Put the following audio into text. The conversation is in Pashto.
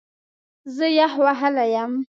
زه یخ وهلی یم